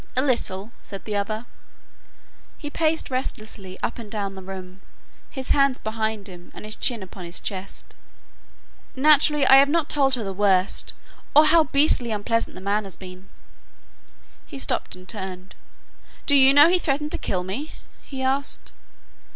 "A little," said the other. He paced restlessly up and down the room, his hands behind him and his chin upon his chest. "Naturally I have not told her the worst, or how beastly unpleasant the man has been." He stopped and turned. "Do you know he threatened to kill me?" he asked.